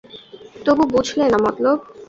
তবু বুঝলে না মতলব?